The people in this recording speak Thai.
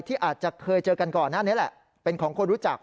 ที่อาจจะเคยเจอกันก่อนหน้านี้แหละเป็นของคนรู้จัก